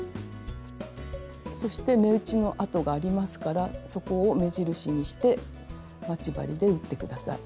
そして目打ちの跡がありますからそこを目印にして待ち針で打って下さい。